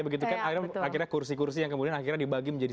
akhirnya kursi kursi yang kemudian dibagi menjadi sepuluh